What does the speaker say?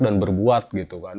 dan berbuat gitu kan